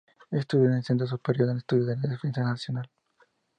Estudió en el Centro Superior de Estudios de la Defensa Nacional.